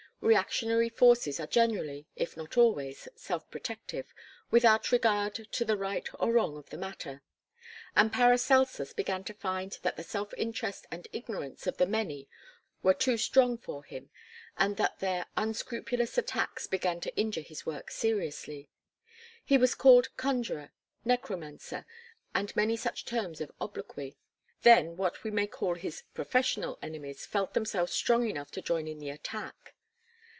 Reactionary forces are generally if not always self protective, without regard to the right or wrong of the matter, and Paracelsus began to find that the self interest and ignorance of the many were too strong for him, and that their unscrupulous attacks began to injure his work seriously. He was called conjurer, necromancer, and many such terms of obloquy. Then what we may call his "professional" enemies felt themselves strong enough to join in the attack.